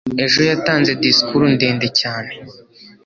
Ejo yatanze disikuru ndende cyane.